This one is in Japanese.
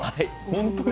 本当に？